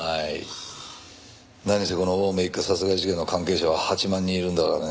何せこの青梅一家殺害事件の関係者は８万人いるんだからね。